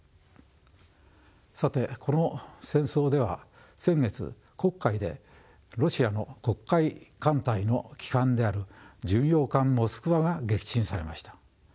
さてこの戦争では先月黒海でロシアの黒海艦隊の旗艦である巡洋艦モスクワが撃沈されました。